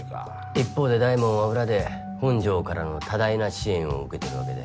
一方で大門は裏で本城からの多大な支援を受けてるわけで。